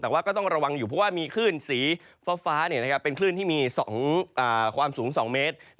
แต่ว่าก็ต้องระวังอยู่เพราะว่ามีคลื่นสีฟ้าเป็นคลื่นที่มีความสูง๒เมตร